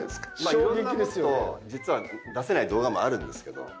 いろんなこと実は出せない動画もあるんですけど。